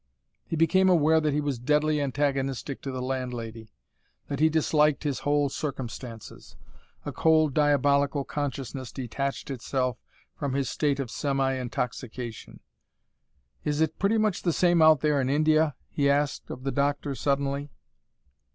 He became aware that he was deadly antagonistic to the landlady, that he disliked his whole circumstances. A cold, diabolical consciousness detached itself from his state of semi intoxication. "Is it pretty much the same out there in India?" he asked of the doctor, suddenly.